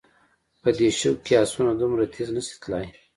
په دې شګو کې آسونه دومره تېز نه شي تلای.